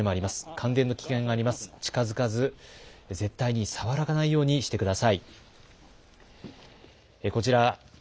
感電の危険があります、近づかず、絶対に触らないようにしてください。